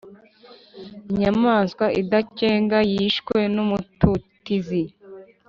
inyamaswa idakenga yishwe n’umututizi